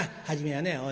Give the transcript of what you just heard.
初めはね